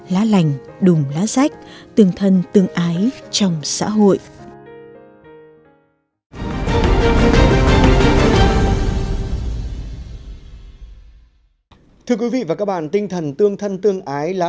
lá lành đùm lá sách tương thân tương ái chồng